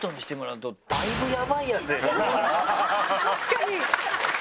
確かに！